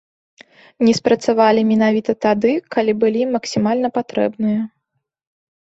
Не спрацавалі менавіта тады, калі былі максімальна патрэбныя.